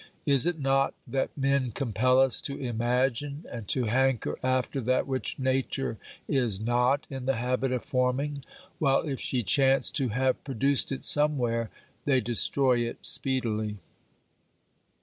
Is it not that men compel us to imagine and to hanker after that which Nature is not in the habit of forming, while if she chance to have produced it somewhere, they destroy it speedily